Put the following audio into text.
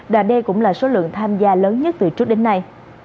và đây cũng là số lượng tham gia lớn nhất từ trước đến nay